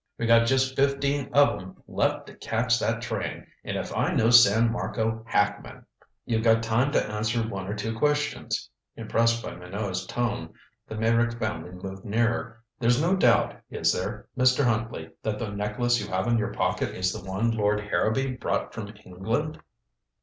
We got just fifteen of 'em left to catch that train, and if I know San Marco hackmen " "You've got time to answer one or two questions." Impressed by Minot's tone, the Meyrick family moved nearer. "There's no doubt, is there, Mr. Huntley, that the necklace you have in your pocket is the one Lord Harrowby brought from England?"